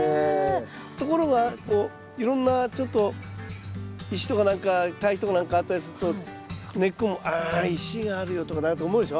ところがこういろんなちょっと石とか何か堆肥とか何かあったりすると根っこもあ石があるよとか思うでしょ。